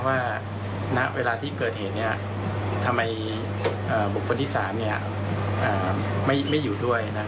ว่าณเวลาที่เกิดเหตุทำไมบุคคลที่๓ไม่อยู่ด้วย